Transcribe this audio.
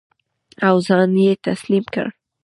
او ځان یې تسلیم کړ.